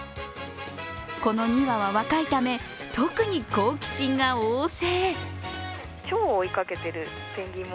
この２羽は若いため特に好奇心が旺盛。